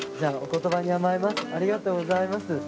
ありがとうございます。